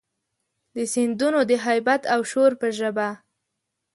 د سیندونو د هیبت او شور په ژبه،